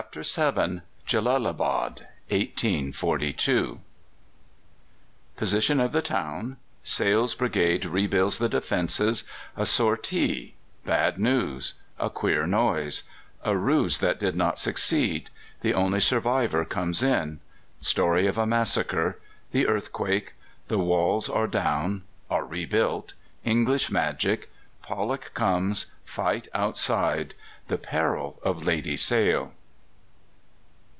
Henry Colburn, publisher. CHAPTER VII JELLALABAD (1842) Position of the town Sale's brigade rebuilds the defences A sortie Bad news A queer noise A ruse that did not succeed The only survivor comes in Story of a massacre The earthquake The walls are down Are rebuilt English magic Pollock comes Fight outside The peril of Lady Sale.